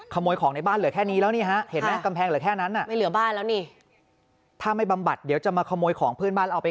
ขโมยของในบ้านเหลือแค่นี้แล้วนี่ฮะเห็นไหมกำแพงเหลือแค่นั้นน่ะ